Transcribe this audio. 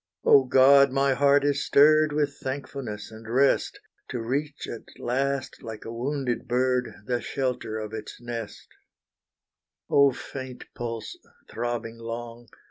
Oh God! my heart is stirred With thankfulness and rest, To reach at last, like a wounded bird, The shelter of its nest Oh, faint pulse, throbbing long!